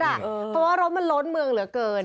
เพราะว่ารถมันล้นเมืองเหลือเกิน